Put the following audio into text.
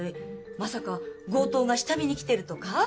まさか強盗が下見に来てるとか？